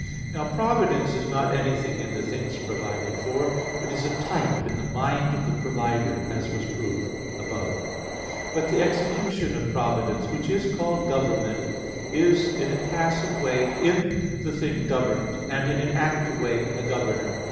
Now providence is not anything in the things provided for; but is a type in the mind of the provider, as was proved above (Q. 22, A. 1). But the execution of providence which is called government, is in a passive way in the thing governed, and in an active way in the governor.